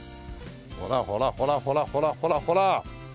ほらほらほらほらほらほらほら！